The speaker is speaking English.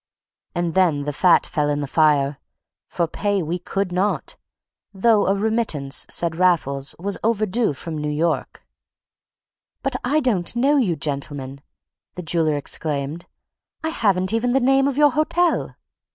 And then the fat fell in the fire; for pay we could not; though a remittance (said Raffles) was "overdo from Noo York." "But I don't know you, gentlemen," the jeweller exclaimed. "I haven't even the name of your hotel!"